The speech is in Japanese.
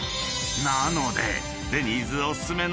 ［なので］